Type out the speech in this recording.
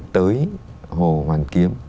tới hồ hoàn kiếm